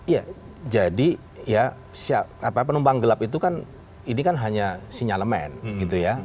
ya jadi ya penumpang gelap itu kan ini kan hanya sinyalemen gitu ya